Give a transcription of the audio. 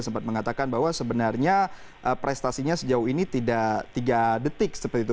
sempat mengatakan bahwa sebenarnya prestasinya sejauh ini tidak tiga detik seperti itu